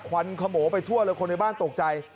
ควันขโมไปทั่วเลยคนในบ้านตกใจ